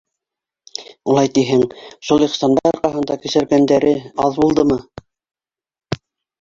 Улай тиһәң, шул Ихсанбай арҡаһында кисергәндәре аҙ булдымы?